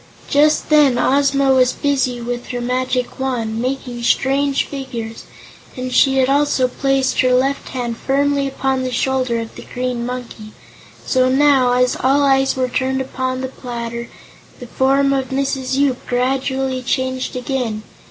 Just then Ozma was busy with her magic Wand, making strange figures, and she had also placed her left hand firmly upon the shoulder of the Green Monkey. So now, as all eyes were turned upon the platter, the form of Mrs. Yoop gradually changed again.